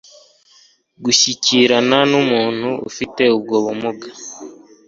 gushyikirana n'umuntu ufite ubwo bumuga.